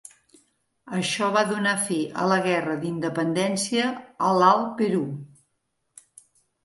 Això va donar fi a la guerra d'independència a l'Alt Perú.